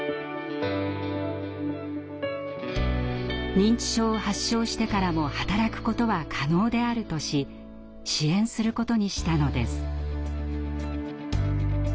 認知症を発症してからも働くことは可能であるとし支援することにしたのです。